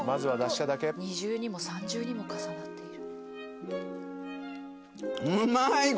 二重にも三重にも重なっている。